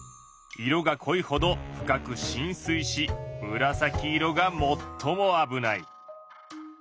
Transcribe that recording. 色がこいほど深くしん水しむらさき色が最も危ない。